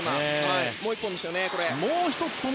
もう１本欲しいですよね。